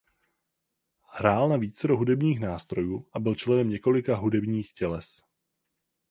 Hrál na vícero hudebních nástrojů a byl členem několika hudebník těles.